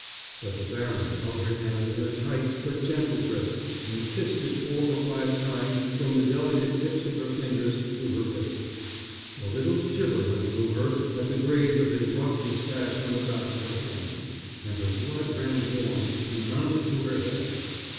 But the baron held her hand in a tight but gentle grip and kissed it four or five times from the delicate tips of her fingers to her wrist. A little shiver went through her at the graze of his rough mustache on the back of her hand, and her blood ran warm and mounted to her head.